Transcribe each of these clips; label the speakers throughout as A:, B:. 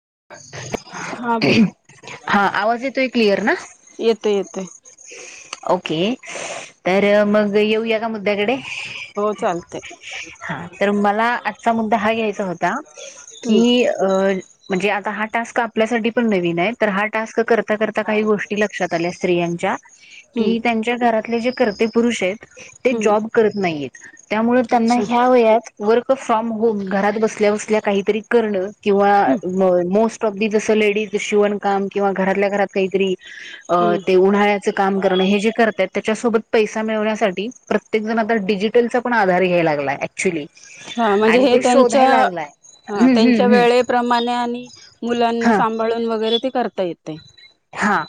A: [unintelligible] बोल
B: हां, आवाज येतोय, क्लिअर ना?
A: येते येते
B: ओके, तर मग येऊया का मुद्द्याकडे?
A: हो चालते
B: हां, तर मला आजचा मुद्दा हा घ्यायचा होता,
A: हम्म
B: की अं आता हा टास्क आपल्यासाठी पण नवीन आहे, तर हा टास्क करता करता काही गोष्टी लक्षात आल्या स्त्रियांच्या.
A: हम्म
B: कि त्यांच्या घरातले जे कर्ते पुरुष आहेत. ते
A: हम्म
B: जॉब करत नाही आहेत, त्यामुळे त्यांना
A: अच्छा
B: ह्या वयात वर्क फ्रॉम होम, घरात बसल्या बसल्या काहीतरी करणं, किंवा
A: हम्म
B: मोस्ट ऑफ द जसं लेडीज शिवण काम किंवा घरातल्या घरात काहीतरी अं
A: हम्म
B: ते उन्हाळ्याचं काम करणे, हे जे करताय त्याच्यासोबत पैसा मिळवण्यासाठी, प्रत्येक जण आता डिजिटलचा पण आधार घ्यायला लागला आहे, ऍक्च्युअली.
A: हां म्हणजे हे त्यांच्या, हां
B: हम्म
A: त्यांच्या
B: हम्म हम्म
A: वेळे प्र माने, आणि मुलांना
B: हा
A: सांभाळून वगैरे ते करता येतय.
B: हा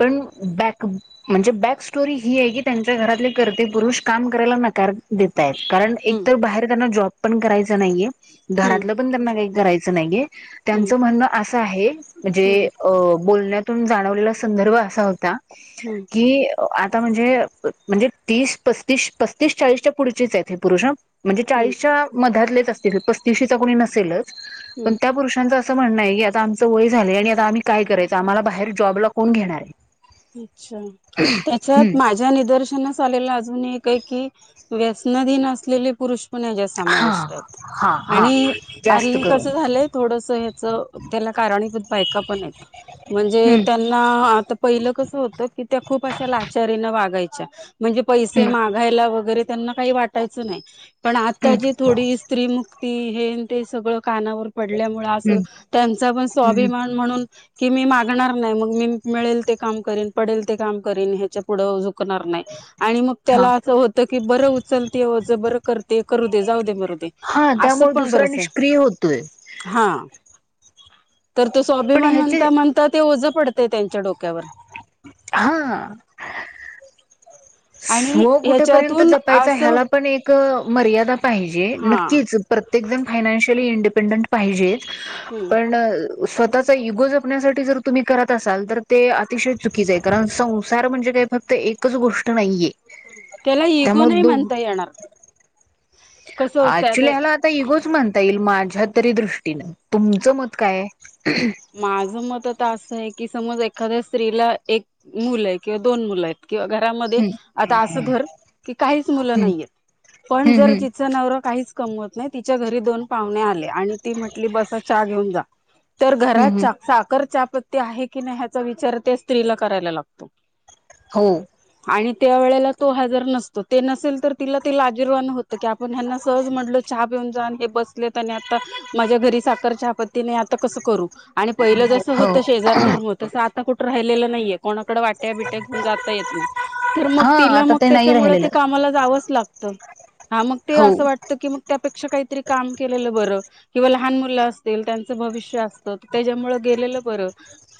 B: पण बॅक म्हणजे बॅक स्टोरी ही आहे की, त्यांच्या घरातले कर्ते पुरुष काम करायला नकार देत तयात. कारण
A: हम्म
B: एकतर बाहेर त्यांना जॉब पण करायच नाहीये,
A: हम्म
B: घरातलं पण त्यांना काही करायचं नाहीये.
A: हम्म
B: त्यांच म्हणणं असं आहे, म्हणजे
A: हम्म
B: अं बोलण्यातून जाणवलेल अस संदर्भ असा होता
A: हम्म
B: की, आ आता म्हणजे-म्हणजे, अं म्हणजे तीस पस्तीस, पस्तीस चाळीसच्या पुढचेच आहेत, हे पुरुष हां म्हणजे
A: हम्म
B: चाळीसच्या मधातलेच असतील पस्तीशीचा कोणी नसेलच,
A: हम्म
B: पण त्या पुरुषांचा अस असं म्हणणं आहे, आता आमचं वय झालं आहे आणि आता आम्ही काय करायचं, आम्हाला बाहेर जॉबला कोण घेणार आहे?
A: इच्छा!
B: हम्म
A: त्याच्यात माझ्या निदर्शनास आलेला अस कोण आहे काय की, व्यसनाधीन असलेले पुुरूष पण ह्याच्यात
B: हा
A: समाविष्ट आहेत,
B: हा हा
A: आणि
B: जास्त
A: हल्ली
B: करून
A: कसं झालं आहे थोडसं ह्याच त्याला कारणीभूत बायका पण हायत, म्हणजे
B: हम्म
A: त्यांना आता पहिलं कस होतं की, त्या खूप अशा लाचारीने वागायच्या. म्हणजे पैसे
B: हम्म
A: मागायला वगैरे, त्यांना काही वाटायचं नाही. पण आता
B: हम्म
A: जी थोडी, स्त्रीमुक्ती हे आणि ते सगळं कानावर पडल्यामुळे असं,
B: हम्म
A: त्यांचा पण
B: हम्म
A: स्वाभिमान म्हणून की मी मागणार नाही, मग मी मिळेल ते काम करीन, पडेल ते काम करीन, ह्याच्या पुढं झुक करणार नाही आणि मग
B: हा
A: त्याला असं होत की, बरं उचलते, ओझ बरं करते, करू दे, जाऊ दे मग जाऊदे,
B: हा
A: अस
B: त्यामुळे
A: पण
B: दुसरा
A: बरंच आहे,
B: निष्क्रिय होतोय
A: हां तर ते
B: पण
A: स्वाभिमान
B: ह्याचे
A: म्हणता-म्हणता ते ओझ पडतंय त्यांच्या डोक्यावर
B: हां
A: आणि
B: हो कुठे पर्यंत
A: ह्याच्यातून
B: जपायचं,
A: असं
B: ह्याला पण एक- मर्यादा पाहिजे,
A: हा
B: नक्कीच, प्रत्येक जण फायनान्शि न्शियल इडपेंडं पाहिजेच,
A: हम्म
B: पण स्वतःचा इगो जपण्यासाठी जर तुम्ही करत असाल, तर ते अतिशय चुकीचं आहे, कारण संसार म्हणजे काय ते फक्त एकच गोष्ट नाहीये.
A: त्याला इगो
B: त्यामुळे
A: नाही म्हणता येणार कसं असतं
B: आक्चुली ह्याला आता इगोच म्हणता येईल, मा झ्या तरी दृष्टीनं, तुमचं मत काय आहे?
A: माझ मत आता असं आहे की, समज एक खाद्य स्त्रीला एक मुलं आहे किंवा दोन मुलं आहेत किंवा घरामध्ये,
B: हम्म
A: आता असं धर, की काहीच मुलं
B: हम्म
A: नाही हत्येत. पण
B: हम्म
A: जर
B: हम्म
A: तिचा नवरा काहीच कमवत नाही, तिच्या घरी दोन पाहुणे आले, आणि ती म्हटली बसा चहा घेऊन जा तर
B: हम्म
A: घरात
B: हम्म
A: साखर चहापत्ती आहे की नाही ह्याचा विचार त्या स्त्रीला करायला लागतो.
B: हो!
A: आणि त्या वेळेला तो हजर नसतो ते नसेल तर तिला ते लाजीरवाण होतं की आपण ह्यांना सहज म्हटल चहा पिऊन जा हे बसले आणि आता माझ्या घरी साखर चहा पत्तीने आता कस आणि पहिलं जसं
B: हो
A: होत शेजार धर्म तसं आता कुठं राहिलेलं नाहीय. कोणाकडे वाट्या बिट्या घेऊन जाता येत नाही, तर मग
B: हा
A: तिला
B: आता
A: मग
B: ते नाही
A: त्याच्यामुळे
B: राहिलेलं
A: ते कामाला जावंच लागत. हा मग ते
B: हो
A: असं वाटतं की मग त्यापेक्षा काही काम केलेलं बर किंवा लहान मुलं असतील त्यांच भविष्य अस त, त्याच्यामुळ गेलेलं बरं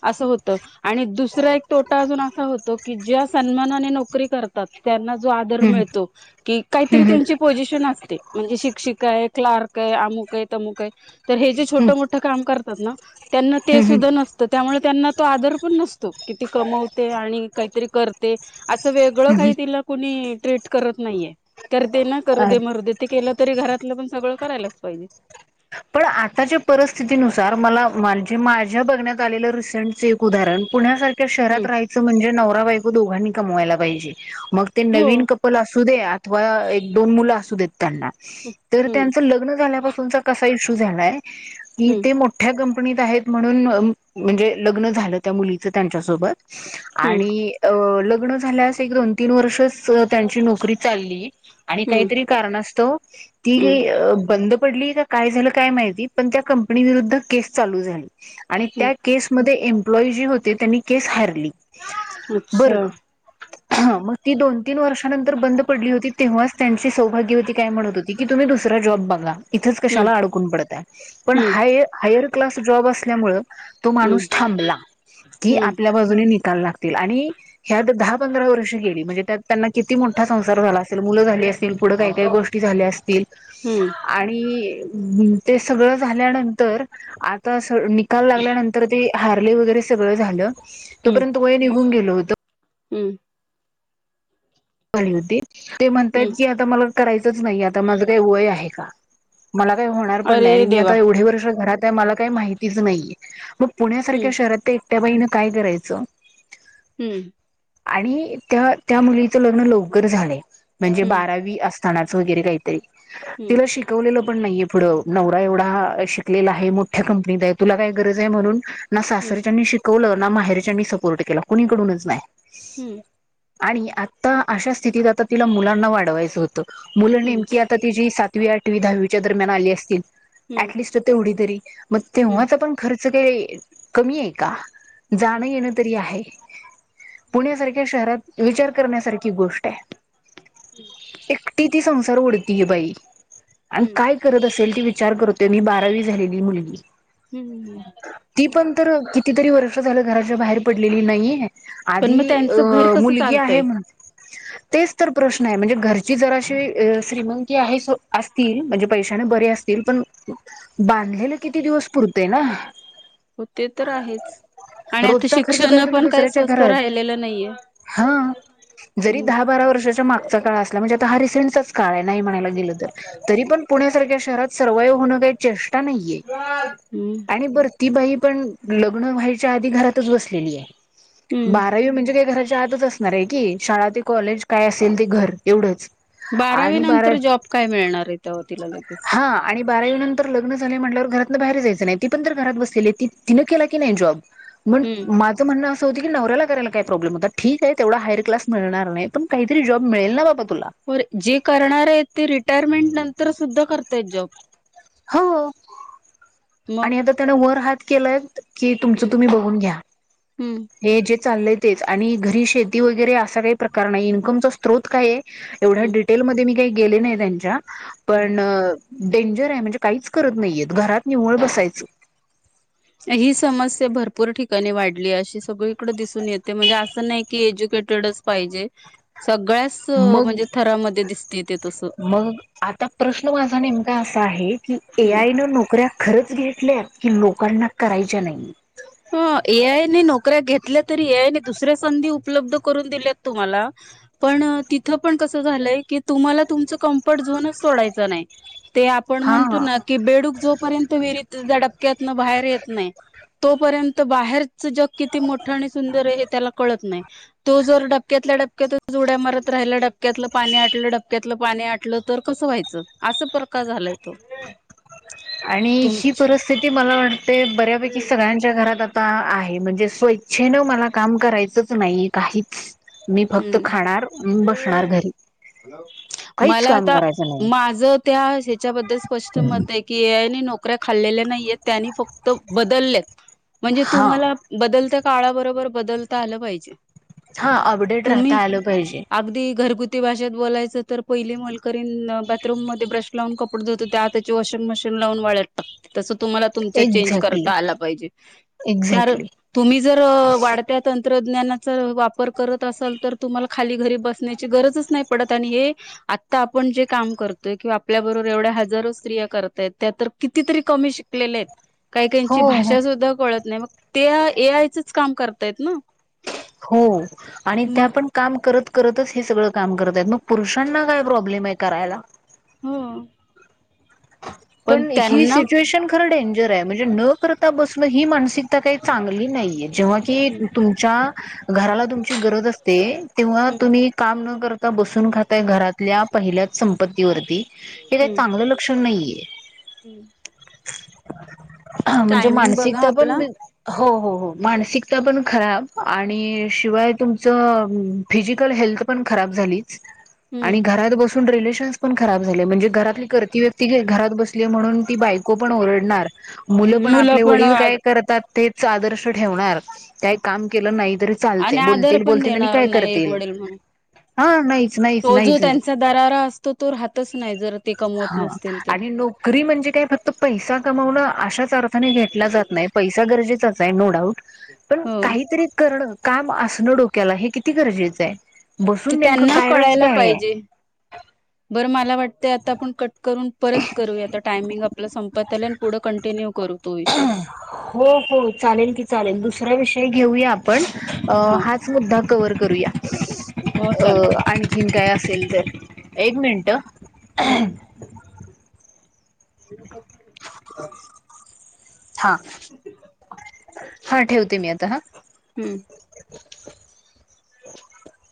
A: असं होतं, आणि दुसरा एक तोटा अजून असा होत तो की ज्या सन्मानाने नोकरी करतात त्यांना जो आदर
B: हम्म
A: मिळतो की
B: हम्म
A: काहीतरी
B: हम्म
A: त्यांचे पोझिशन असते म्हणजे शिक्षिका आहे क्लार्क काय अमुकय तमुक आहे, तर हे जे
B: हम्म
A: छोटं मोठं काम करतात ना? त्यांना ते
B: हम्म
A: सुद्धा नसतं त्यामुळे त्यांना तो आदर पण नसतो किती कमवते आणि काहीतरी करते. असं वेगळं
B: हम्म हम्म
A: काही तिला कुणी ट्रीट करत नाहीये करते ना करू
B: अरे
A: दे मरु दे ते केलं. तरी घरातलं पण सगळं करायलाच पाहिजे.
B: पण आताच्या परिस्थितीनुसार मला म्हणजे माझ्या बघण्यात आलेलं रिसेंट च एक उदाहरण कारण पुण्यास शहरात
A: हम्म
B: राहायचं म्हणजे नवरा बायको दोघांनी कमवायला पाहिजे मग ते
A: हो
B: नवीन कपल्स असो. असू दे अथवा एक दोन मुलं असू देत त्यांना तर
A: हम्म
B: त्यांचं लग्न झाल्यापासूनचा काय इशू झालाय की
A: हम्म
B: ते मोठ्या कंपनी [inaudible] म्हणून म्हणजे लग्न झालं त्या मुलीच त्यांच्या सोबत
A: हम्म
B: आणि अ लग्न. लग्न झाल्यास एक दोन तीन वर्षच त्यांची नोकरी चालली आणि
A: हम्म
B: काहीतरी कारणास्तव. ती
A: हम्म
B: काय अ बंद पडली का? काय झालं काय माहिती पण त्या कंपनी विरुद्ध केस चालू झाली आणि
A: हम्म
B: त्या केसमध्ये एम. ्लॉ जी होते त्यांनी केस हली बर.
A: अच्छा
B: मग ती दोन तीन वर्षानंतर बंद पडली होती तेव्हाच त्यांची सौभाग्यवती काय म्हणत हो. की तुम्ही दुसरा जॉब बघा इथच
A: हम्म
B: कशाला अडकून पडताय पण
A: हम्म
B: हायर काल्स ज त्यामुळे तो माणूस
A: हम्म
B: थांबला की
A: हम्म
B: आपल्या बाजूने नि [inaudible] आणि ह्यात दहा पंधरा वर्ष गली म्हणजे त्यात त्यांना किती मोठा संसार झाला असेल मूल झाली अस. [inaudible] पुढं काय काय गोष्टी झाल्या असतील
A: हम्म
B: आणि ते सगळं झाल्यानंतर आता स निकाल लागल्यानंतर ते हारले वगैरे सगळं झालं
A: हम्म
B: तोपर्यंत वय निघून गेलं होत.
A: हम्म.
B: झाली होती ते
A: हम्म
B: म्हणतायत की आता मला करायचंच नाही आता माझं काही वय आहे का? मला काही होणार पण
A: अरे
B: नाही आणि मी
A: देवा
B: आता एवढे वर्ष घरात आहे मला काही माहितीच नाही. मग
A: हम्म
B: पुण्यासारख्या शहरात ते एकट्या बाईन काय करायचं.
A: हम्म.
B: आणि त्या त्या मुलीचं लग्न लवकर झालंय म्हणजे
A: हम्म
B: बारावी असथनाचं वगैरे काही
A: हम्म
B: तिला शिकवलेलं. पण नाहीे पुढं नवरा एवढा शिकलेला आहे मोठ्या कंपनीत आहे तुला काय गरज आहे म्हणून ना
A: हम्म
B: सासरच्यानी शिकवलं ना माहेरच्यानी सपोर्ट केला कुणीकडूनच नाही.
A: हम्म.
B: आणि आता अशा स्थितीत आता तिला मुलांना वाढवायचं होतं मुलं
A: हम्म
B: नेमकी आता ति जी सात सातवी आठवी दहावीच्या दरम्यान आली असतील
A: हम्म
B: ऍटलिस्ट तेवढी तरी मग
A: हम्म
B: तेव्हाचा पण खर्च. खर्च काय कमी आहे का जाणं येणं तरी आहे. पुण्यासारख्या शहरात विचार करण्यासारखी गोष्ट आहे.
A: हम्म.
B: एकटी ती संसार ओढतीय बाई आणि
A: हम्म
B: काय करत असेल ती वि चार करते मी बारावी झालेली मुलगी.
A: हम्म.
B: किती तरी वर्ष झालं घराच्या बाहेर पडलेली नाइए
A: पण
B: आधी
A: मग
B: अ
A: त्यांचं घर कसं
B: मुलगी आहे
A: चालतंय
B: म्ह [inaudible] तेच तर प्रश्न हाय म्हणजे घरची जराशी श्रीमंती आहे स असतील म्हणजे पैशाने बरी अस तील पण बांधलेले किती दिवस पुरतय ना.
A: हो ते तर आहेच. आणि आता
B: रोजचा खर्च काय
A: शिक्षण
B: तुम्ही
A: पण काही
B: दुसऱ्याच्या
A: स्वस्त
B: घरात
A: राहिलेलं नईये.
B: हा जरी दहा बारा वर्षाच्या मागचा काळ असला म्हणजे आता हा रिसेंटचाच काळ हाय नाही म्हणायला गेलं तर तरी पण पुण्या सारख्या शहरात सर्वाइव्ह होण काही चेष्टा नाईये
A: हम्म
B: आणि बर ती बाई पण लग्न व्हायच्या आधी घरातच बसलेली ये
A: हम्म
B: बारावी म्हणजे काय घरा च्याआतच असणार हाय की शाळा ते कॉलेज काय असेल ते घर एवढंच.
A: बारावी
B: आणि बारा
A: नंतर जॉब काय मिळणार आहे तवा तिला लगेच.
B: हा आणि बारावी नंतर लग्न झालय म्हटल्यावर घरातनं बाहेर जायचं नाही ती पण तर घरात बसलेली त तिनं केला की नाही जॉब. मं
A: हम्म
B: माझं म्हणणं असं होत की नवऱ्याला करायला काय प्रॉब्लेम होता ठीक आहे तेवढा हायर क्लास मिळणार नाय पण काहीतरी जॉब मिळेल ना बाबा तुला
A: पर जे करणार आहेत ते रिटायरमेंट नंतर सुद्धा करतायत जॉब.
B: हो
A: मग
B: आणि आता त्यानं वर हात केलाय कि तुमच
A: हम्म
B: तुम्ही बघून घ्या
A: हम्म
B: हे जे चाल्लय तेच आणि घरी शेती वगैरे असा काही प्रकार नाई इन्कमचा स्त्रोत काय ये एवढ्या
A: हम्म
B: डिटेलमध्ये मी काही गेले नाई त्यांच्या
A: हम्म
B: पण डेंजर हाय म्हणजे काहीच करत नाहीयेत घरात निव्वळ बसायचं.
A: ही समस्या भरपूर ठिकाणी वाढलीए अशी सगळीकडे दिसून येते म्हणजे असं नाई की एज्यु केटेडच पाहिजे. असं
B: मग
A: म्हणजे थरामध्ये दिसते ते तस.
B: मग आता प्रश्न माझा नेमका असा आहे की? ए
A: हम्म.
B: आय नं नोकऱ्या खरंच घेतल्यात? कि लोकांना करायच्या नाइयेत.
A: ह ए आय ने नोकऱ्या घेतल्या तरी ए आय ने दुसऱ्या संधी उपलब्ध करून दिल्यात तुम्हाला पण तिथं पण कस झालंय की तुम्हाला तुमचं कम्फर्ट झोनच सोडायचं नाय. ते आपण म्हणतो
B: हा
A: ना की बेडूक जोपर्यंत विहिरीत डपक्यातन बाहेर येत नाही तोपर्यंत बाहेरचं जग किती मोठं आणि सुंदर ये हे त्याला कळत नाय तो जर डबक्यातल्या डबक्या क्यातच उड्या मारत राहिला डबक्यातलं पाणी आटलं डपक्यातलं पाणी आटलं तर कसं व्हायचं अस प्रकार झालाय तो.
B: आणि ही
A: तुमच
B: परिस्थिती मला वाटतय बऱ्यापैकी सगळ्यांच्या घरात आत ता आहे म्हणजे स्वच्छेनं मला काम करायचंच नाही काहीच मी फक्त
A: हम्म
B: खाणार बसणार घरी. काहीच
A: मला
B: काम
A: आता
B: करायचं नाही.
A: माझ त्या हच्याबद्दल स्पष्ट मत आहे की ए आय ने नोक कऱ्या खाल्लेल्या नाहीयेत त्याने फक्त बद्दल्यात म्हणजे
B: हा
A: तुम्हाला बदलता काळाबरोबर बदलता आलं पाहिजे.
B: हा अ
A: तुम्ही अगदी घरगु ती भाषेत बोलायचं तर पहिली मोलकरीन बाथरूम मध्ये ब्रश लावून कपडे धुवत होती आताची वॉशिंग मशी न लावून वाळत टाकते तस तुम्हाला तुमच्यात चेंज
B: एक्झॅक्टली
A: करता आला पाहिजे त्यार
B: एक्झॅक्टली.
A: तुम्ही जर वाढत्या तं त्रज्ञानाच वापर करत त असाल तर तुम्हाला खाली घरी बसण्याची गरजच नाही पडत आणि हे आता आपण जे काम करतोय किंवा आपल्या बरोबर एवढ्या हजारो स्त्रिया करताय त्या तर कितीतरी कमी शिकलेल्या एत. काही
B: हो
A: काहीची
B: हो
A: भाषा सुद्धा कळत नाही, मग ते ए आयचच काम करतायत ना
B: हो आणि त्या
A: मग
B: पण काम करत. करतच हे सगळं काम करत मग पुरुषांना काय प्रॉब्लेम आहे करायला?
A: हो
B: पण ही सिच्युएशन खर डेंजर आहे? म्हणजे न करता बसण ही मानसिकता काही चांगली नाही. जेव्हा की
A: हम्म
B: तुमच्या घराला तुमची गरज असते तेव्हा
A: हम्म
B: तुम्ही काम न करता बसून खातय घरातल्या पहिल्याच संपतीवरती हे काही
A: हम्म
B: चांगलं लक्षण नाहीये.
A: हम्म
B: म्हणजे
A: टायमिंग बघा
B: मानसिकता
A: आपला
B: पण हो हो हो मानसिकता पण खराब आणि शिवाय तुमचं फिजिकल हेल्थ ण खराब झाली. आणि
A: हम्म
B: घरात बसून रिलेशन पण खराब झाले म्हणजे घरातली व्यक्ती घरात ब बसलिये म्हणून बायको पण ओरडणार, मुल पण
A: मुलं
B: आपले वडील काय
A: आणि
B: करतात तेच आदर्श ठेवणार काही काम केलं नाही तरी चालतोय
A: आदर
B: बोलतील,
A: पण
B: बोलतील आणि
A: देणार
B: काय
A: नाही एक
B: करतील.
A: वडील म्हणून
B: हा, नाही
A: तो जो त्यांचा दरारा असतो तो राहतच नाय जर ते कमवत
B: हा
A: नसतील तर
B: आणि नोकरी म्हणजे काय फक्त पैसा कमवण अशाच अर्थाने घेतला जात नाही पैसा गरजेचाच आहे. नो डाऊट पण
A: हो
B: काहीतरी करणं काम असणं डोक्याला हे किती गरजेचं आहे.
A: ते
B: बसून नेमकं
A: त्यांना
B: कायरच
A: कळायला
B: काय ये.
A: पाहिजे बरं मला वाटते आता आपण कट करून परत करू आता टायमिंग आपला संपत आलाय पुढे कंटिन्यू करू तो विषय
B: हो हो चालेल की चालेल दुसरं हे घेऊयां आपण
A: हा
B: हाच मुद्दा कव्हर करूयां
A: हो
B: अ
A: चालत
B: आणखीन काय असेल तर एक मिनट
A: हम्म [inaudible]
B: हा हा ठेवते मी आता हा
A: हम्म
B: [inaudible]